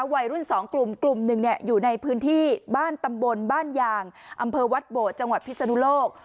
วัยรุ่นสองกลุ่มกลุ่มหนึ่งอยู่ในพื้นที่บ้านตำบลบ้านยางอำเภอวัดโบดจังหวัดพิศนุโลก